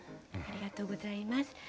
ありがとうございます。